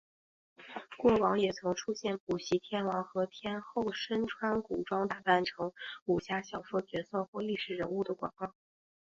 过往也曾出现补习天王和天后身穿古装打扮成武侠小说角色或历史人物的广告。